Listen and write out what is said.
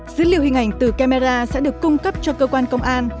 dữ liệu hình ảnh từ camera sẽ được cung cấp cho cơ quan công an